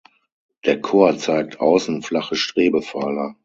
Der Chor zeigt außen flache Strebepfeiler.